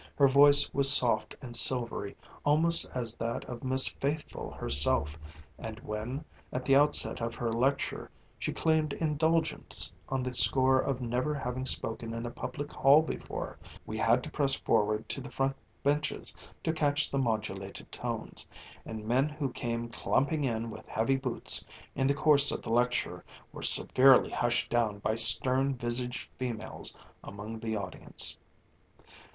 Her voice was soft and silvery almost as that of Miss Faithfull herself; and when, at the outset of her lecture, she claimed indulgence on the score of never having spoken in a public hall before, we had to press forward to the front benches to catch the modulated tones, and men who came clumping in with heavy boots in the course of the lecture were severely hushed down by stern visaged females among the audience.